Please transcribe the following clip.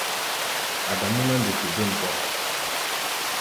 Adamú nɛ́ nduti bêm kɔ́ʼm.